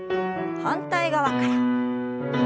反対側から。